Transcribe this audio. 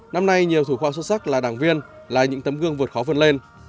năm nay nhiều thủ khoa xuất sắc là đảng viên là những tấm gương vượt khó vươn lên